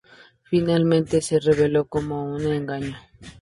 Finalmente se reveló como un engaño.